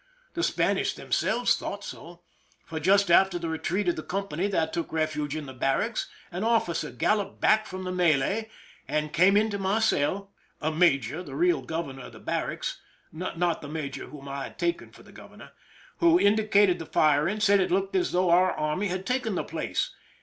The Spanish them selves thought so, for, just after the retreat of the company that took refuge in the barracks, an officer galloped back from the melee, and came into my cell— a major, the real governor of the barracks (not the major whom I had taken for the governor), who, indicating the firing, said it looked as though our army had taken the place.